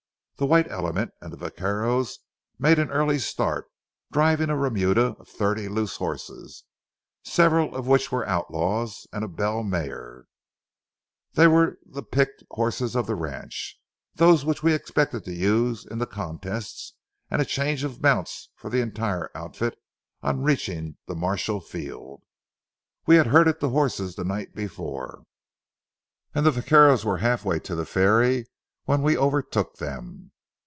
The white element and the vaqueros made an early start, driving a remuda of thirty loose horses, several of which were outlaws, and a bell mare. They were the picked horses of the ranch—those which we expected to use in the contests, and a change of mounts for the entire outfit on reaching the martial field. We had herded the horses the night before, and the vaqueros were halfway to the ferry when we overtook them.